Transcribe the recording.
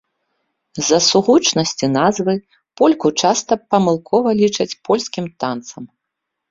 З-за сугучнасці назвы польку часта памылкова лічаць польскім танцам.